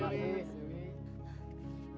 terima kasih dewi